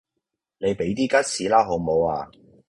你俾啲吉士啦好無呀